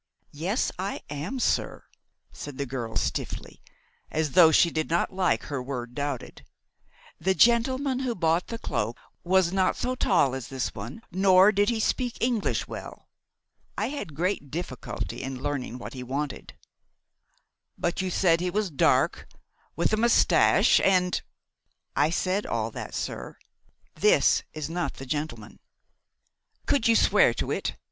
"Yes, I am, sir," replied the girl stiffly, as though she did not like her word doubted. "The gentleman who bought the cloak was not so tall as this one, nor did he speak English well. I had great difficulty in learning what he wanted." "But you said that he was dark, with a moustache and " "I said all that, sir; but this is not the gentleman." "Could you swear to it?"